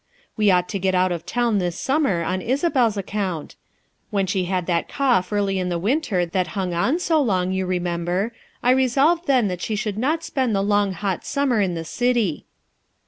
Wo ought to get out of town this summer on Isa bel's account; when she had that cough early in the winter that hung on so long you remem 41 42 FOUE MOTHERS AT CHAUTAUQUA ber, I resolved then that she should not spend the long, hot summer in the city."